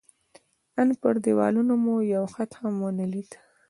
ان پر دېوالونو مو یو خط هم ونه لید.